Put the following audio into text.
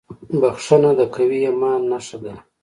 • بښنه د قوي ایمان نښه ده.